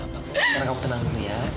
bisa kamu tenangin dulu ya